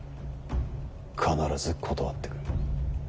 必ず断ってくる。